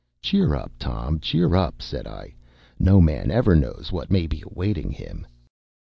“Cheer up, Tom cheer up,” said I. “No man ever knows what may be awaiting him.